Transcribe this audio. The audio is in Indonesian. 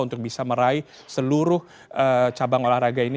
untuk bisa meraih seluruh cabang olahraga ini